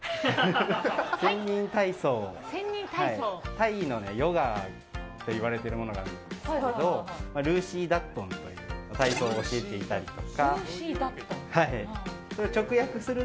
タイのヨガっていわれてるものがあるんですがルーシーダットンっていう体操を教えていたりとか。